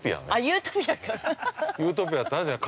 ◆ユートピアって、あるじゃない。